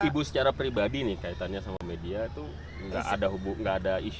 ibu secara pribadi nih kaitannya sama media itu nggak ada isu